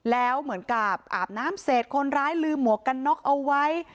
แล้วเหมือนกับอาบน้ำเสร็จคนร้ายลืมหมวกกันน็อกเอาไว้